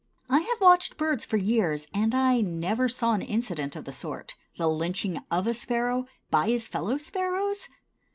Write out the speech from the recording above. I have watched birds for years and I never saw an incident of the sort—the lynching of a sparrow by his fellow sparrows!